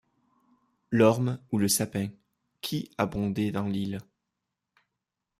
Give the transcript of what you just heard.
L’orme ou le sapin, qui abondaient dans l’île?